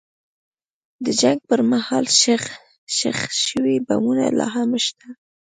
د جنګ پر مهال ښخ شوي بمونه لا هم شته.